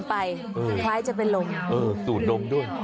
คล้ายจะเป็นลมเออสูดดมด้วย